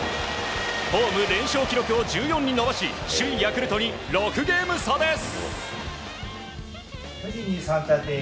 ホーム連勝記録を１４に伸ばし首位、ヤクルトに６ゲーム差です。